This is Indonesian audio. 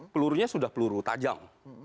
pelurunya sudah peluru tajam